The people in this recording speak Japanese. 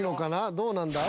どうなんだ？